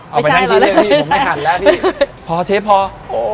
เอาไปนั่งชิ้นเถอะพี่ผมไม่ทันแล้วพี่พอเชฟพอไม่ใช่หรอก